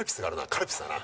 カルピスだな。